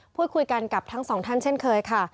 พูดคุยกันกับทั้งสองท่านเช่นเคยค่ะ